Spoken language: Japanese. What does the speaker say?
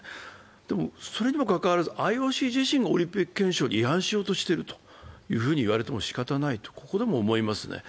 でも、それにもかかわらず、ＩＯＣ自身がオリンピック憲章に違反しようとしていると、ここでも思いますね。